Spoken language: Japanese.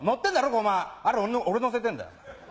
ゴマあれ俺のせてんだよ。